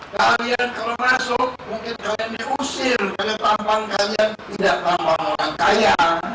kalian kalau masuk mungkin kalian diusir karena tampang kalian tidak tampang orang kaya